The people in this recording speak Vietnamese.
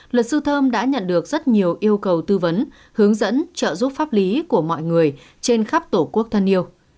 luật sư thơm đã nhận được rất nhiều yêu cầu tư vấn hướng dẫn trợ giúp pháp lý của mọi người trên khắp tổ quốc thân yêu